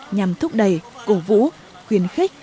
nhằm thúc đẩy cổ vũ khuyến khích